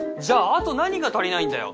あと何が足りないんだよ？